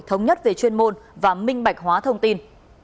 thống nhất về chuyên môn và minh bạch hóa thông tin